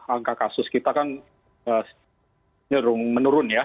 angka kasus kita kan menurun ya